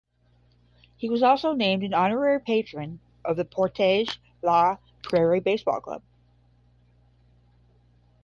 He was also named an honorary patron of the Portage la Prairie Baseball Club.